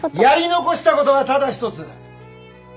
やり残したことはただ一つ！